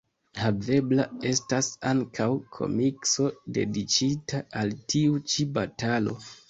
Havebla estas ankaŭ komikso dediĉita al tiu ĉi batalo.